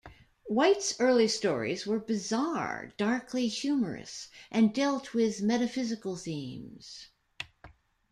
White's early stories were bizarre, darkly humorous, and dealt with metaphysical themes.